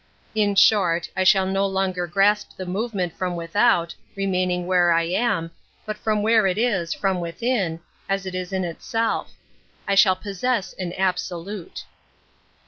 In short, I shall no longer grasp the move ment from without, remaining where I am, but from where it is, from within, as it is in itself. I shall possess an absolute.